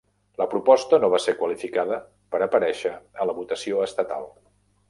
La proposta no va ser qualificada per aparèixer a la votació estatal.